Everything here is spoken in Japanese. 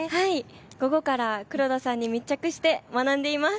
午後から黒田さんに密着して学んでいます。